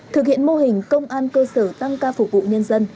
thực hiện mô hình công an cơ sở tăng ca phục vụ nhân dân